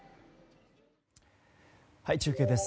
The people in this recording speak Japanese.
中継です。